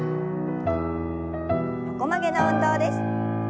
横曲げの運動です。